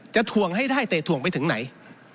ถ่วงให้ได้เตะถ่วงไปถึงไหน